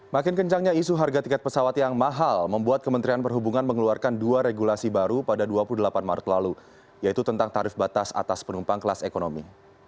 makin kencangnya isu harga tiket pesawat yang mahal membuat kementerian perhubungan mengeluarkan dua regulasi baru pada dua puluh delapan maret lalu yaitu tentang tarif batas atas penumpang kelas ekonomi